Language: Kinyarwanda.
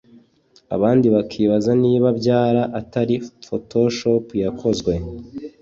abandi bakibaza niba byara atari pfotoshop yakozwe